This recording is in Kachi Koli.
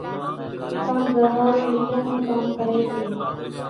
ڪانڪ گھورڙيئان نون ڪام ڪريَ سي۔